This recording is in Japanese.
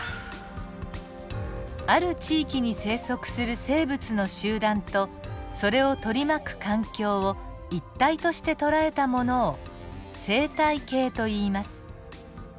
ある地域に生息する生物の集団とそれを取り巻く環境を一体として捉えたものを生態系といいます。